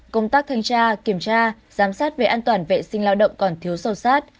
công tác thanh tra kiểm tra giám sát về an toàn vệ sinh lao động còn thiếu sâu sát